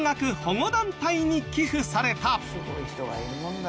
「すごい人がいるもんだ」